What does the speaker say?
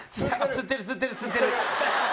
つってるつってるつってる。